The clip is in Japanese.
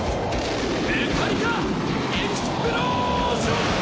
メタリカエクスプロージョン！